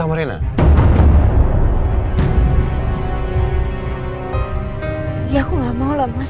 ya aku gak mau lah mas